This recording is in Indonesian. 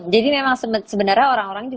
jadi memang sebenarnya orang orang